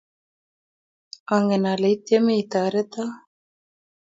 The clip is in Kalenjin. ongen ale itieme itoretoo